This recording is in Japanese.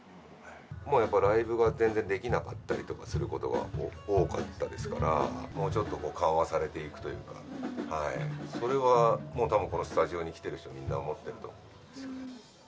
やっぱライブが全然できなかったりすることが多かったですから、もうちょっと緩和されていくというか、それはたぶん、このスタジオに来てる人みんな思ってると思うんですよ。